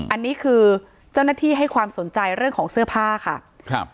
อันนี้คือเจ้าหน้าที่ให้ความสนใจเรื่องของเสื้อผ้าค่ะครับ